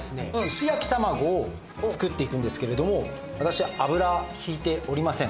薄焼き卵を作っていくんですけれども私油引いておりません。